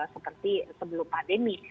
seperti sebelum pandemi